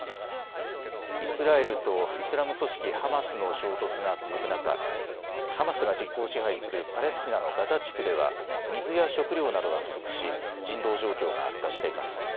イスラエルとイスラム組織ハマスの衝突が続く中、ハマスが実効支配するパレスチナのガザ地区では水や食料などが不足し人道状況が悪化しています。